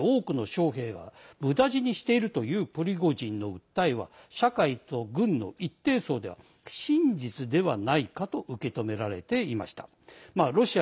ずさんな作戦指揮で多くの将兵がむだ死にしているというプリゴジンの訴えは社会と軍の一定層では真実ではないかと受け止められていました。